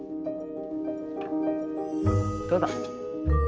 どうだ？